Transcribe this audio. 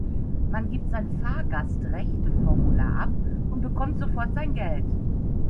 Man gibt sein Fahrgastrechteformular ab und bekommt sofort sein Geld.